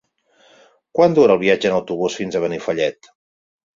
Quant dura el viatge en autobús fins a Benifallet?